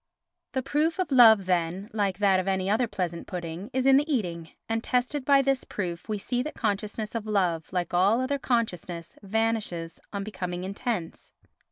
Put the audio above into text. The proof of love, then, like that of any other pleasant pudding, is in the eating, and tested by this proof we see that consciousness of love, like all other consciousness vanishes on becoming intense.